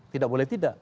tidak boleh tidak